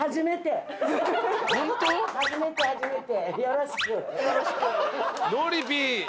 初めて初めて。